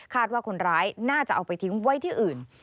ว่าคนร้ายน่าจะเอาไปทิ้งไว้ที่อื่น